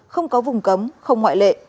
không có vùng cấm không ngoại lệ